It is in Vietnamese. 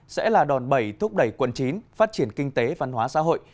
sẽ là đòn bẩy thúc đẩy quận chín phát triển kinh tế văn hóa xã hội